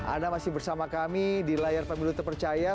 anda masih bersama kami di layar pemilu terpercaya